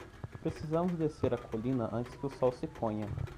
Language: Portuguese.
Precisamos descer a colina antes que o sol se ponha.